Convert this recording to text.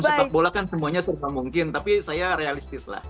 kalau sepak bola kan semuanya serba mungkin tapi saya realistis lah